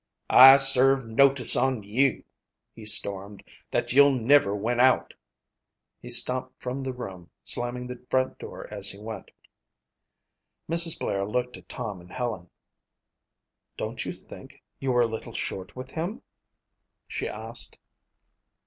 "I serve notice on you," he stormed, "that you'll never win out." He stomped from the room, slamming the front door as he went. Mrs. Blair looked at Tom and Helen. "Don't you think you were a little short with him?" she asked.